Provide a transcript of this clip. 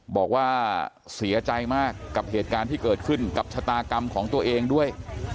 บอกว่าเสียใจมากกับเหตุการณ์ที่เกิดขึ้นกับชะตากรรมของตัวเองด้วย